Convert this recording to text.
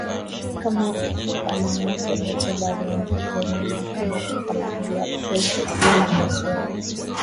Kama banamuke bote bari Anza kurima kama tuko na biakuria bia muzuri